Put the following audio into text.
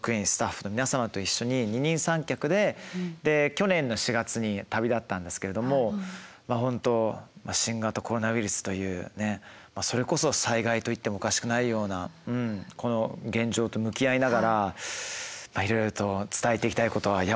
去年の４月に旅立ったんですけれども本当新型コロナウイルスというそれこそ災害と言ってもおかしくないようなこの現状と向き合いながらいろいろと伝えていきたいことは山ほどあったりしますね。